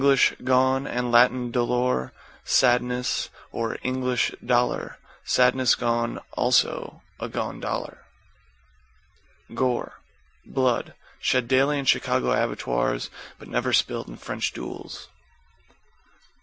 gone, and Lat. dolor, sadness, or Eng. dollar. Sadness gone; also, a gone dollar. =GORE= Blood. Shed daily in Chicago abattoirs but never spilled in French duels.